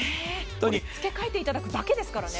付け替えていただくだけですからね。